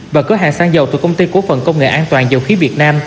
và cửa hàng sang dầu từ công ty quốc phận công nghệ an toàn dầu khí việt nam